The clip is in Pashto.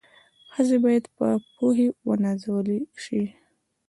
ښځي بايد په پوهي و نازول سي